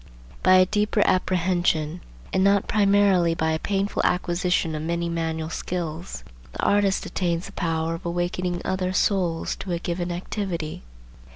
By a deeper apprehension, and not primarily by a painful acquisition of many manual skills, the artist attains the power of awakening other souls to a given activity.